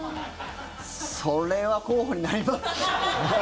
それは候補になり。